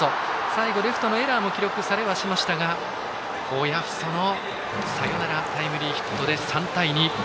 最後、レフトのエラーも記録されはしましたが親富祖のサヨナラタイムリーヒットで３対２。